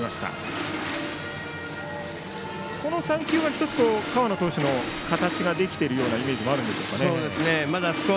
今の３球は河野の投手の形ができているイメージもあるんでしょうかね。